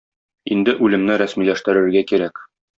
Инде үлемне рәсмиләштерергә кирәк.